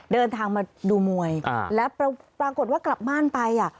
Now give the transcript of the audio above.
เดินทางมาดูมวยแล้วปรากฏว่ากลับบ้านไปอ่ะ